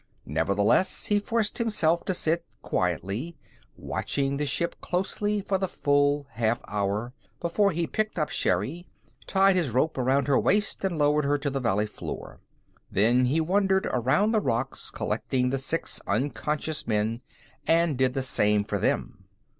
Nevertheless, he forced himself to sit quietly, watching the ship closely for the full half hour, before he picked up Sherri, tied his rope around her waist, and lowered her to the valley floor. Then he wandered around the rocks, collecting the six unconscious men, and did the same for them.